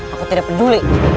aku tidak peduli